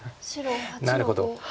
なるほど。